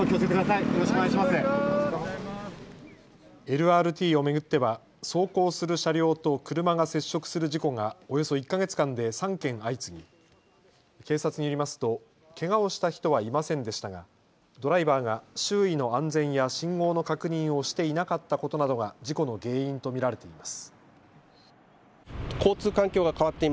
ＬＲＴを巡っては走行する車両と車が接触する事故がおよそ１か月間で３件相次ぎ警察によりますとけがをした人はいませんでしたがドライバーが周囲の安全や信号の確認をしていなかったことなどが事故の原因と見られています。